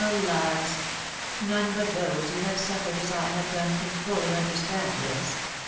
*.. Ake J none tat these who hare suffered as I have done can ftfly understand this.